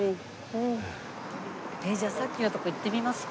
じゃあさっきのとこ行ってみますか？